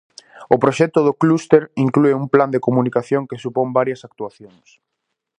O proxecto do clúster inclúe un plan de comunicación que supón varias actuacións.